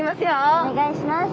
お願いします。